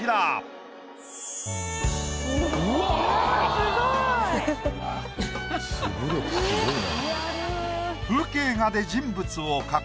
すごいな。